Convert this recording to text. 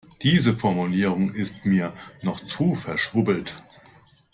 Diese Formulierung ist mir noch zu verschwurbelt.